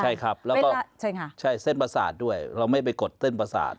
ใช่ครับแล้วก็ใช่เส้นประสาทด้วยเราไม่ไปกดเส้นประสาท